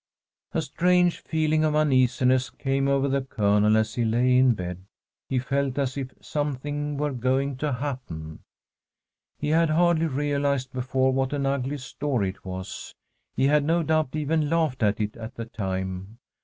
A strange feeling of uneasiness came over the Colonel as he lay in bed. He felt as if something were going to happen. He had hardly realized before what an ugly story it was. He had no doubt even laughed at it at the time.